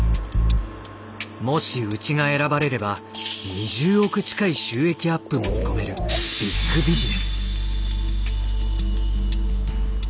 もしうちが選ばれれば２０億近い収益アップも見込めるビッグビジネス。